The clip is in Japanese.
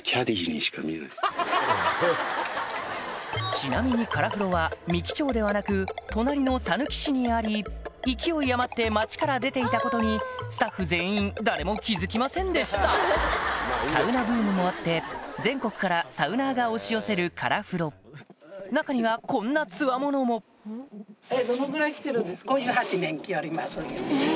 ちなみにから風呂は三木町ではなく隣のさぬき市にあり勢い余って町から出ていたことにスタッフ全員誰も気付きませんでしたサウナブームもあって全国からサウナーが押し寄せるから風呂中にはこんな強者もえ！